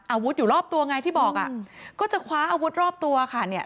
อยู่รอบตัวไงที่บอกอ่ะก็จะคว้าอาวุธรอบตัวค่ะเนี่ย